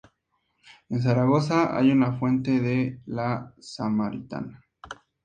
En Zaragoza hay una fuente de la Samaritana.